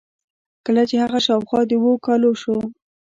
کله چې هغه شاوخوا د اوو کالو شو.